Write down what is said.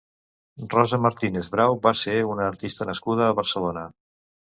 Rosa Martínez Brau va ser una artista nascuda a Barcelona.